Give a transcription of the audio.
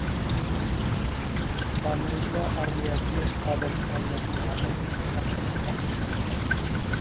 ئامېرىكا ئارمىيەسى ئادەمسىمان ماشىنا ئادەمنى مەخپىي سىناق قىلىۋاتىدۇ.